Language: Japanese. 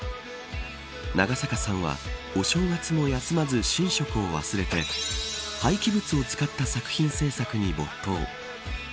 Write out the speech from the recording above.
長坂さんはお正月も休まず、寝食を忘れて廃棄物を使った作品制作に没頭。